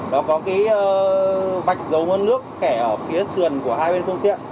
nó có cái vạch dấu bốn h nước kẻ ở phía sườn của hai bên phương tiện